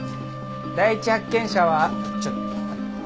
第一発見者はちょっと。